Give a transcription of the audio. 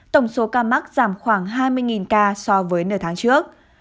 tổng số ca mắc giảm khoảng hai mươi ca so với nửa tháng trước